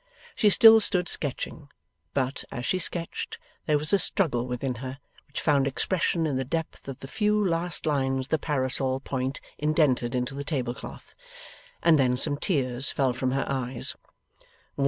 She still stood sketching; but, as she sketched, there was a struggle within her, which found expression in the depth of the few last lines the parasol point indented into the table cloth, and then some tears fell from her eyes.